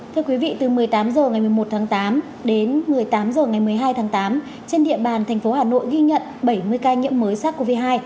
thưa quý vị từ một mươi tám h ngày một mươi một tháng tám đến một mươi tám h ngày một mươi hai tháng tám trên địa bàn thành phố hà nội ghi nhận bảy mươi ca nhiễm mới sars cov hai